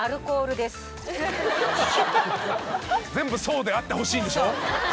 全部そうであってほしいんでしょ？